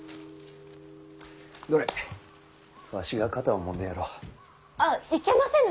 どれわしが肩をもんでやろう。あっいけませぬ！